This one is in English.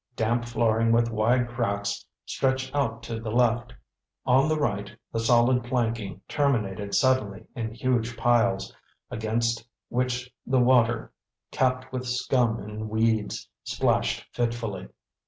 Damp flooring with wide cracks stretched off to the left; on the right the solid planking terminated suddenly in huge piles, against which the water, capped with scum and weeds, splashed fitfully.